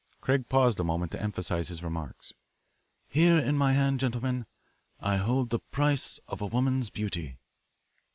Craig paused a moment to emphasise his remarks. "Here in my hand, gentlemen, I hold the price of a woman's beauty."